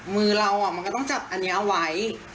มือเรามันก็ต้องจับอันนี้เอาไว้